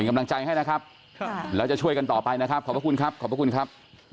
ค่ะแล้วจะช่วยกันต่อไปนะครับขอบคุณครับ